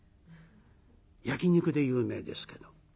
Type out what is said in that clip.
焼き肉で有名ですけど。